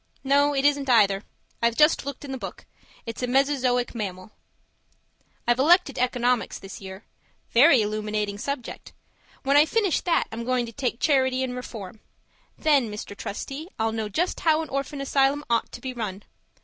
No, it isn't either; I've just looked in the book. It's a mesozoic mammal. I've elected economics this year very illuminating subject. When I finish that I'm going to take Charity and Reform; then, Mr. Trustee, I'll know just how an orphan asylum ought to be run.